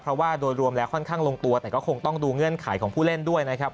เพราะว่าโดยรวมแล้วค่อนข้างลงตัวแต่ก็คงต้องดูเงื่อนไขของผู้เล่นด้วยนะครับ